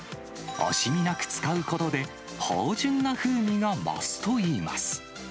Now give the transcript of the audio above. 惜しみなく使うことで、芳じゅんな風味が増すといいます。